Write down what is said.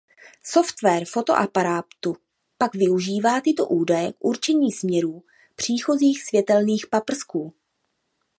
Software fotoaparátu pak využívá tyto údaje k určení směrů příchozích světelných paprsků.